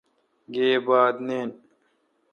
گیب بات نین۔